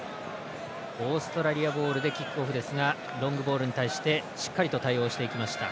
オーストラリアボールでキックオフですがロングボールに対してしっかりと対応していきました